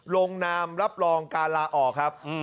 ลงนามรับรองการลาออกครับ